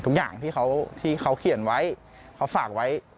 ทุกอย่างที่เขาเขียนไว้เขาฝากไว้